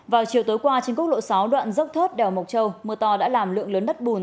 vào chiều tối qua trên quốc lộ sáu đoạn dốc thớt đèo mộc châu mưa to đã làm lượng lớn đất bùn